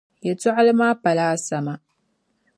Yɛltɔɣili maa pala asama.